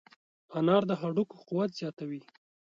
انار د هډوکو قوت زیاتوي.